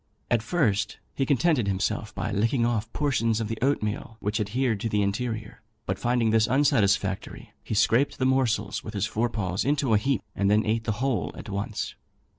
At first, he contented himself by licking off portions of the oatmeal which adhered to the interior, but finding this unsatisfactory, he scraped the morsels with his fore paws into a heap, and then ate the whole at once.